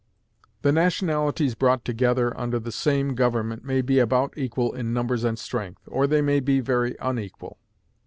The nationalities brought together under the same government may be about equal in numbers and strength, or they may be very unequal.